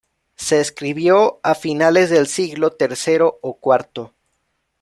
Se escribió a finales del siglo tercero o cuarto.